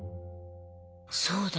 そうだ。